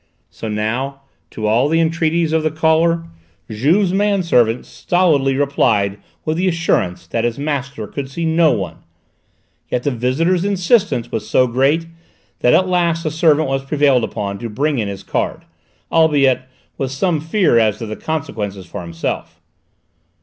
So now, to all the entreaties of the caller, Juve's servant stolidly replied with the assurance that his master would see no one; yet the visitor's insistence was so great that at last the servant was prevailed upon to bring in his card, albeit with some fear as to the consequences for himself.